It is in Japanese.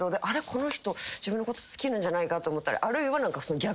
この人自分のこと好きなんじゃないかと思ったりあるいはその逆。